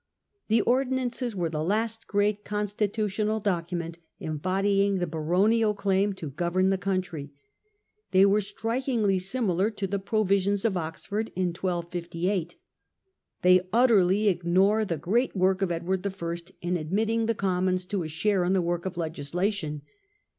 The Ordinances were the last great constitu tional document embodying the baronial claim to govern the country. They are strikingly similar to the Provisions of Oxford in 1258. They utterly ignore the great work of Edward I., in admitting the Commons to a share in the work of legislation.